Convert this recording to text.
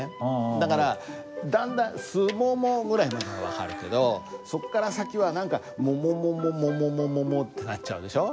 だからだんだん「すもも」ぐらいまでは分かるけどそこから先は何か「ももももももももも」ってなっちゃうでしょ。